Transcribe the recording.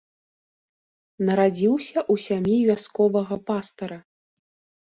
Нарадзіўся ў сям'і вясковага пастара.